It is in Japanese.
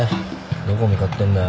どこ向かってんだよ？